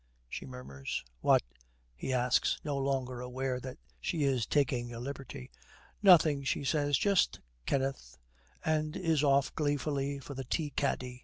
she murmurs. 'What?' he asks, no longer aware that she is taking a liberty. 'Nothing,' she says, 'just Kenneth,' and is off gleefully for the tea caddy.